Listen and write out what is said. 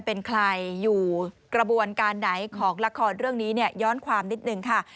เป็นใครอยู่กระบวนการไหนของละครเรื่องนี้เนี่ยย้อนความนิดหนึ่งค่ะ